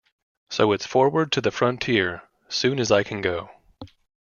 So it's forward to the frontier, soon as I can go.